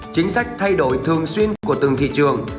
chính sách thay đổi thường xuyên của từng thị trường